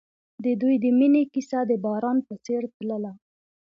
د دوی د مینې کیسه د باران په څېر تلله.